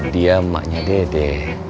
dia emaknya dede